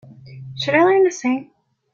Should I learn to sing?